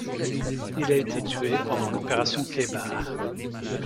Il a été tué pendant l'Opération Khaybar.